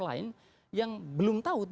lain yang belum tahu